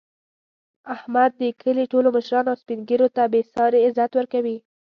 احمد د کلي ټولو مشرانو او سپین ږېرو ته بې ساري عزت ورکوي.